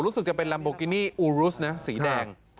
รู้สึกจะเป็นลัมโบกินี่อูรุสนะสีแดง